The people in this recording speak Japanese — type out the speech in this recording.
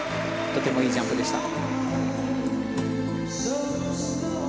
とてもいいジャンプでした。